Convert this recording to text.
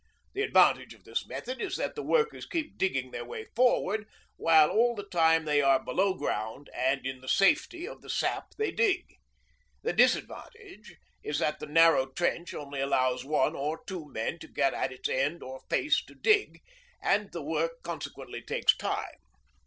The advantage of this method is that the workers keep digging their way forward while all the time they are below ground and in the safety of the sap they dig. The disadvantage is that the narrow trench only allows one or two men to get at its end or 'face' to dig, and the work consequently takes time.